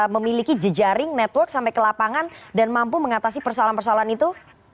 memiliki jejaring network sampai ke lapangan dan mampu mengatasi persoalan persoalan itu